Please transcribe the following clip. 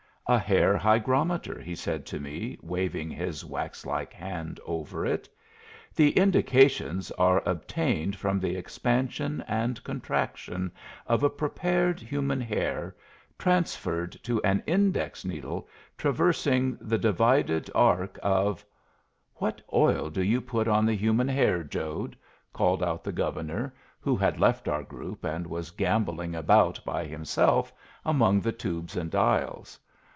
"A hair hygrometer," he said to me, waving his wax like hand over it. "The indications are obtained from the expansion and contraction of a prepared human hair, transferred to an index needle traversing the divided arc of " "What oil do you put on the human hair Jode?" called out the Governor, who had left our group, and was gamboling about by himself among the tubes and dials.